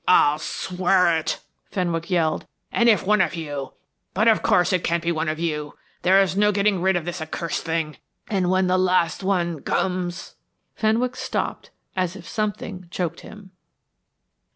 "I'll swear it," Fenwick yelled. "And if one of you but, of course, it can't be one of you. There is no getting rid of this accursed thing. And when the last one comes " Fenwick stopped as if something choked him.